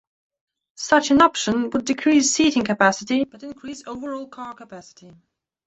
Such an option would decrease seating capacity, but increase overall car capacity.